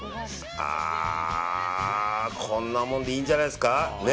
こんなもんでいいんじゃないですか。